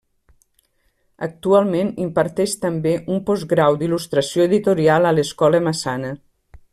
Actualment imparteix també un Postgrau d'Il·lustració Editorial a l'Escola Massana.